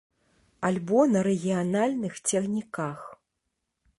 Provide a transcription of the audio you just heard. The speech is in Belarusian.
Альбо на рэгіянальных цягніках.